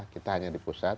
kita hanya di pusat